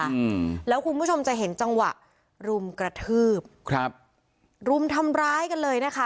อืมแล้วคุณผู้ชมจะเห็นจังหวะรุมกระทืบครับรุมทำร้ายกันเลยนะคะ